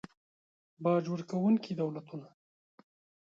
باج ورکونکي دولتونه